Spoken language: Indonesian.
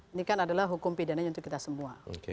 ini kan adalah hukum pidananya untuk kita semua